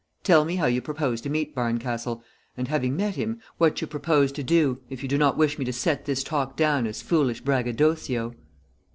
Tell me how you propose to meet Barncastle, and, having met him, what you propose to do, if you do not wish me to set this talk down as foolish braggadocio."